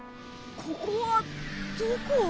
ここはどこ？